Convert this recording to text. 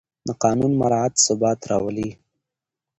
د قانون مراعت ثبات راولي